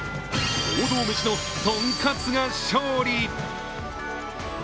王道メシのとんかつが勝利！